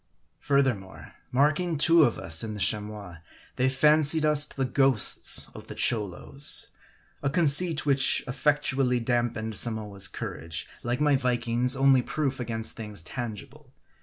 Furthermore, marking two of us in the Chamois, they fancied us the ghosts of the Cholos. A conceit which effectually damped Samoa's courage, like my Viking's, only proof against things tangible.